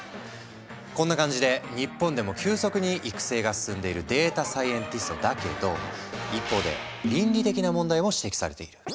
こんな感じで日本でも急速に育成が進んでいるデータサイエンティストだけど一方で倫理的な問題も指摘されている。